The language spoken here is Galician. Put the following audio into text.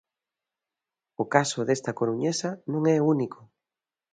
O caso desta coruñesa non é único.